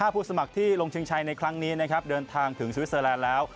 ผู้สมัครที่ลงชิงชัยในครั้งนี้นะครับเดินทางถึงสวิสเตอร์แลนด์แล้ว